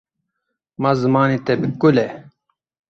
Ma zimanê te bi kul e.